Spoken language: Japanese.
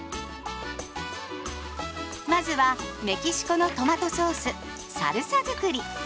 まずはメキシコのトマトソースサルサづくり。